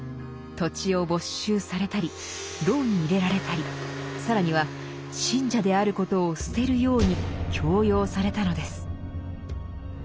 土地を没収されたり牢に入れられたり更には信者であることを捨てるように強要されたのです。